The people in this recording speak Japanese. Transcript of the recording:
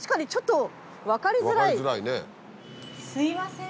すいません。